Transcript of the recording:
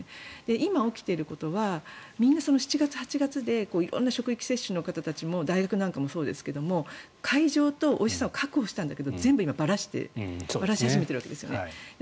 今起きていることはみんな７月、８月で色んな職域接種の方たちも大学なんかもそうですが会場とお医者さんを確保したんだけど全部今、ばらし始めているわけです。